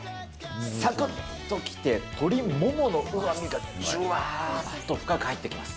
さくっときて鶏もものうまみがじゅわーっと深く入ってきます。